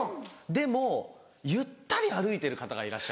でもゆったり歩いてる方がいらっしゃるんです。